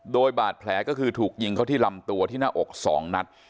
โดยบาดแผลก็คือถูกยิงเขาที่ลำตัวที่หน้าอก๒นัด